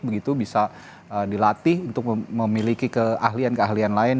begitu bisa dilatih untuk memiliki keahlian keahlian lain